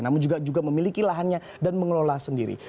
namun juga memiliki lahannya dan mengelola sendiri